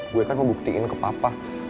gue kan mau buktiin ke papa